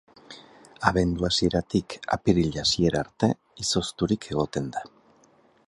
Abendu hasieratik apiril hasiera arte izozturik egoten da.